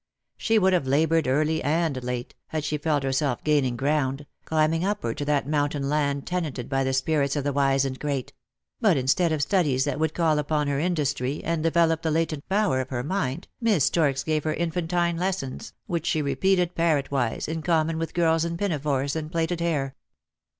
She would have laboured early and late, had she felt herself gaining ground, climbing upward to that mountain land tenanted by the spirits of the wise and great; bat instead of studies that would call upon her industry and develop the latent power of her mind, Miss Storks gave her infantine lessons, which she repeated parrotwise, in common with girls in pinafores and plaited hair.